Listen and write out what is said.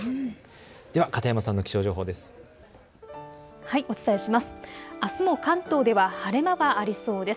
では片山さんの気象情報です。